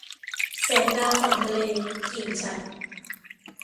แสงดาวฝั่งทะเล - กิ่งฉัตร